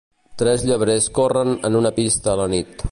Tres llebrers corren en una pista a la nit.